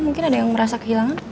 mungkin ada yang merasa kehilangan